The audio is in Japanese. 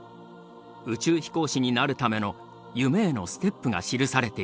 宇宙飛行士になるための夢へのステップが記されている。